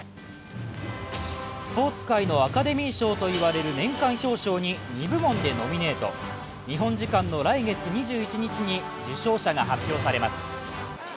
スポーツ界のアカデミー賞といわれる年間表彰に２部門でノミネート日本時間の来月２１日に受賞者が発表されます。